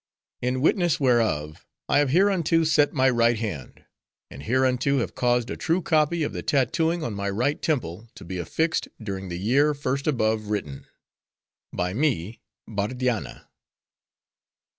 "'In witness whereof, I have hereunto set my right hand; and hereunto have caused a true copy of the tattooing on my right temple to be affixed, during the year first above written. "'By me, BARDIANNA.